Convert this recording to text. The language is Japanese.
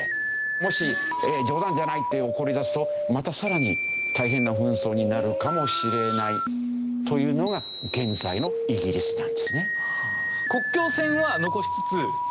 もし冗談じゃないって怒り出すとまたさらに大変な紛争になるかもしれないというのが現在のイギリスなんですね。